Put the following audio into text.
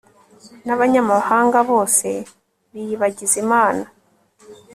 n'abanyamahanga bose biyibagiza imana